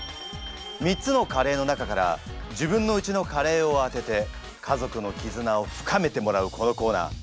３つのカレーの中から自分のうちのカレーを当てて家族の絆を深めてもらうこのコーナー。